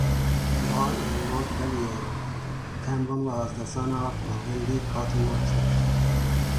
Born in Montpellier, Cambon was the son of a wealthy cotton merchant.